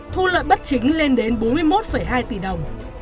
thu lợi bất chính lên đến bốn mươi một hai tỷ đồng